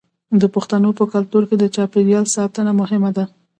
د پښتنو په کلتور کې د چاپیریال ساتنه مهمه ده.